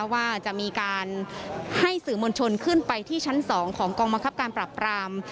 ว่าจะมีการให้สื่อมวลชนขึ้นไปที่ชั้น๒ของกองบังคับการปรับปราม